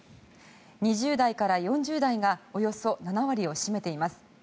２０代から４０代がおよそ７割を占めています。